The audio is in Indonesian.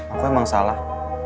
aku emang salah